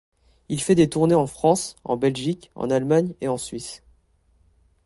Il fait des tournées en France, en Belgique, en Allemagne et en Suisse...